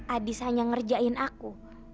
adis hanya ngerjain aku